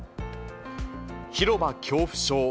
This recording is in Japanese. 広場恐怖症。